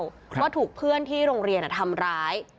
ว่าถูกเพื่อนที่โรงเรียนทำร้าย